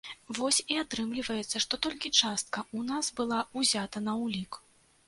Вось і атрымліваецца, што толькі частка ў нас была ўзята на ўлік.